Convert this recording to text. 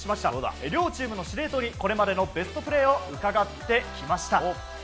両チームの司令塔にこれまでのベストプレーを伺ってきました。